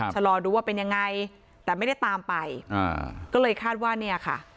ชะลอดูว่าเป็นยังไงแต่ไม่ได้ตามไปอ่าก็เลยคาดว่าเนี่ยค่ะ